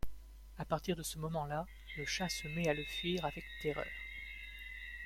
À partir de ce moment-là, le chat se met à le fuir avec terreur.